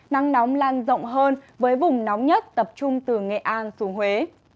nắng nóng lan rộng hơn với vùng nóng nhất tập trung từ nghệ an xuống huế